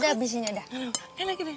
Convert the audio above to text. udah abis ini udah